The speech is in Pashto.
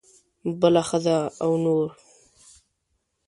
بله ښځه او نور.